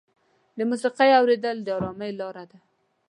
د موسیقۍ اورېدل د ارامۍ لاره ده.